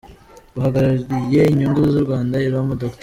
Uhagarariye inyungu z’u Rwanda i Roma Dr.